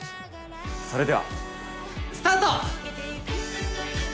それではスタート！